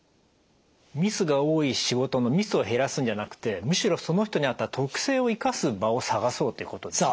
ミスが多い仕事のミスを減らすんじゃなくてむしろその人に合った特性を生かす場を探そうということですか？